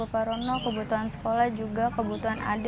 saya juga sering dibantu dengan kebutuhan sekolah dan kebutuhan adik